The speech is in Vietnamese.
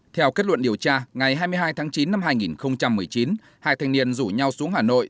theo kết luận điều tra ngày hai mươi hai tháng chín năm hai nghìn một mươi chín hai thanh niên rủ nhau xuống hà nội